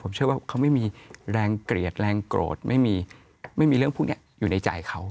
ผมเชื่อว่าเขาไม่มีแรงเกลียดแรงโกรธไม่มีเรื่องพวกนี้อยู่ในใจเขา